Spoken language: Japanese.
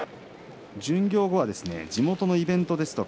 巡業後は地元のイベントですとか